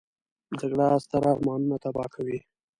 جګړه ستر ارمانونه تباه کوي